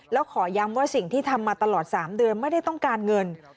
แล้วขอย้ำว่าสิ่งที่ทำมาตลอด๓เดือนไม่ได้ต้องการเงิน